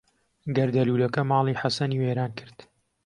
گەردەلوولەکە ماڵی حەسەنی وێران کرد.